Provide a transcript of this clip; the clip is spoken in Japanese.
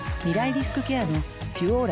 リスクケアの「ピュオーラ」